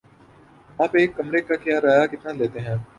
آپ ایک کمرے کا کرایہ کتنا لیتے ہیں؟